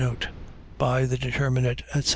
By the determinate, etc.